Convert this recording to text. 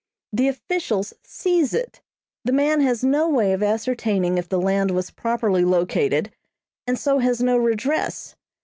The officials seize it. The man has no way of ascertaining if the land was properly located, and so has no redress.